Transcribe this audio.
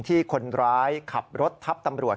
ที่คนร้ายขับรถทับตำรวจ